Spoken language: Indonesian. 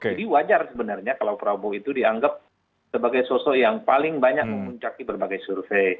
jadi wajar sebenarnya kalau prabowo itu dianggap sebagai sosok yang paling banyak memuncaki berbagai survei